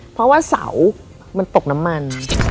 เพราะว่าเสามันตกน้ำมัน